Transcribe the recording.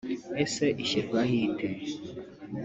Ese ishyirwaho ite